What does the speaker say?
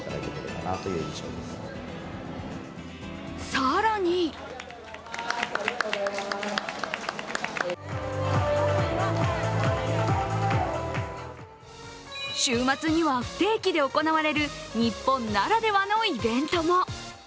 更に週末には不定期で行われる日本ならではのイベントも。